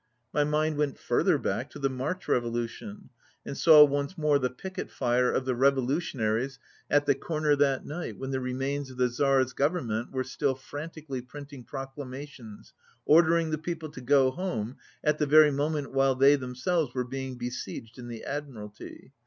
My mind went further back to the March revo lution, and saw once more the picket fire of the revolutionaries at the corner that night when the remains of the Tzar's Government were still fran tically printing proclamations ordering the people to go home, at the very moment while they them selves were being besieged in the Admiralty.